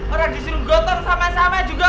orang disuruh gotong sama sama juga